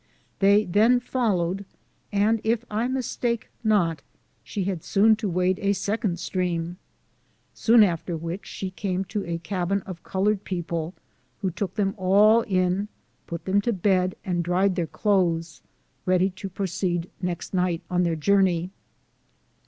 They then followed, and if I mistake not, she had soon to wade a second stream ; soon after which she came to a cabin of colored people, who took them all in, put them to bed, and dried their clothes, ready to pro ceed next night on their journey.